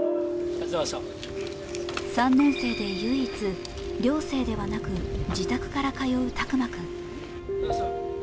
３年生で唯一、寮生ではなく自宅から通う拓真君。